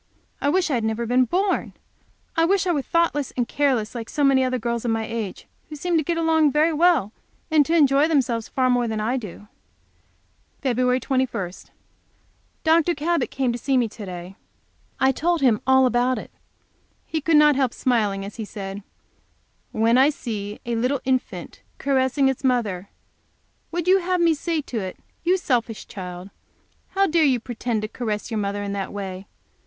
I wish I had never been born! I wish I were thoughtless and careless, like so many other girls of my age, who seem to get along very well, and to enjoy themselves far more than I do. Feb. 21. Dr. Cabot came to see me to day. I told him all about it. He could not help smiling as he said: "When I see a little infant caressing its mother, would you have me say to it, 'You selfish child, how dare you pretend to caress your mother in that way?